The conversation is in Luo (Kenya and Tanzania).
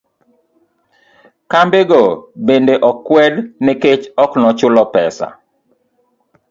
Kambe go bende okwed nikech oknochulo pesa